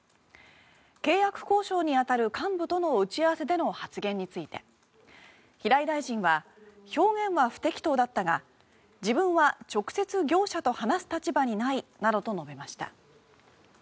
契約交渉に当たる幹部との打ち合わせでの発言について平井大臣は表現は不適当だったが自分は直接業者と話す立場にないなどと述べました。